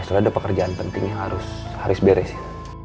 soalnya ada pekerjaan penting yang harus haris beresin